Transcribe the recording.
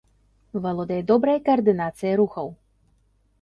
Валодае добрай каардынацыяй рухаў.